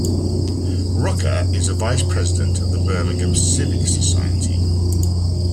Rooker is a vice president of The Birmingham Civic Society.